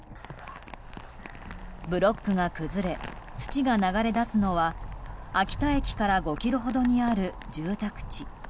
ブロックが崩れ土が流れ出すのは秋田駅から５ｋｍほどにある住宅地。